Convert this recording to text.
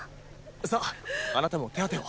さああなたも手当てを。